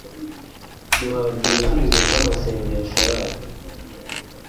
Duhabwa ibisubizo by’amasengesho yacu